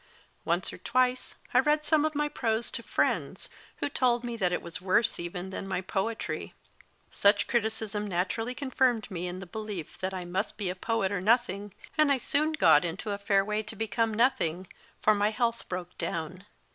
Once or twice. I read some of my prose to friends, who told me that it was worse even than my poetry. Such BEFORE THE MAST 182 MY FIltST BOOK criticism naturally confirmed me in the belief that I must be a poet or nothing, and I soon got into a fair way to become nothing, for my health broke down.